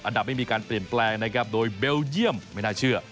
ไม่มีการเปลี่ยนแปลงนะครับโดยเบลเยี่ยมไม่น่าเชื่อ